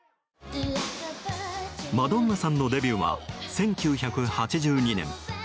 マドンナさんのデビューは１９８２年。